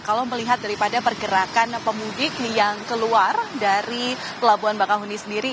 kalau melihat daripada pergerakan pemudik yang keluar dari pelabuhan bakahuni sendiri